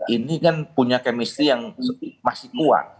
ini kan punya kemistri yang masih kuat